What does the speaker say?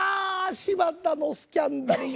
柴田のスキャンダルが。